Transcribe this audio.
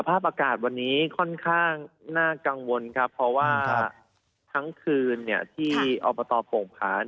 ภาพอากาศวันนี้ค่อนข้างน่ากังวลครับเพราะว่าทั้งคืนที่อบตโป่งผา